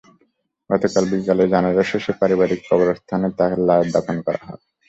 গতকাল বিকেলে জানাজা শেষে পারিবারিক কবরস্থানে তাঁর লাশ দাফন করা হয়।